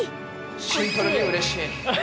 シンプルにうれしい。